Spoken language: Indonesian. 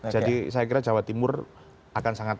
jadi saya kira jawa timur akan sangat